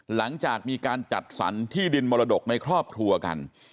หลังจากมีการจัดสรรที่ดินมรดกในครอบครัวกัน